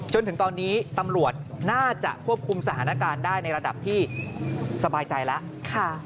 จนถึงตอนนี้ตำรวจน่าจะควบคุมสถานการณ์ได้ในระดับที่สบายใจแล้ว